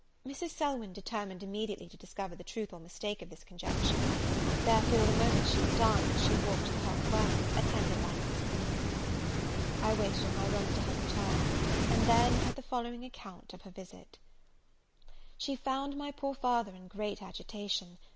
Mrs. Selwyn determined immediately to discover the truth or mistake of this conjecture; therefore, the moment she had dined, she walked to the Hot Wells, attended by Mrs. Clinton. I waited in my room till her return; and then heard the following account of her visit: She found my poor father in great agitation.